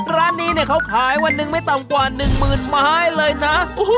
ร้านนี้เนี่ยเขาขายวันหนึ่งไม่ต่ำกว่า๑หมื่นไม้เลยนะ